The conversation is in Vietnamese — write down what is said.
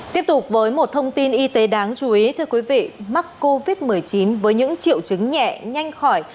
tiếp tục với một thông tin y tế đáng chú ý thưa quý vị mắc covid một mươi chín với những triệu chứng nhẹ nhanh khỏi